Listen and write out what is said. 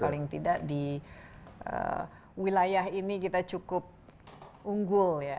pemain pemain yang paling tidak di wilayah ini kita cukup unggul ya